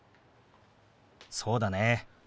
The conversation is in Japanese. そうだね。